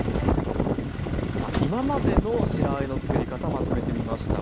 さあ今までの白あえのつくり方まとめてみました。